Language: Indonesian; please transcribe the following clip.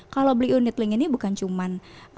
kalau beli unit link ini bukan cuma